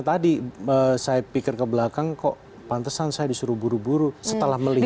tadi saya pikir ke belakang kok pantesan saya disuruh buru buru setelah melihat